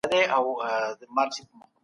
ولسي جرګه د ښځو د حقونو په اړه بحث کوي.